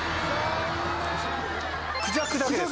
クジャクだけです。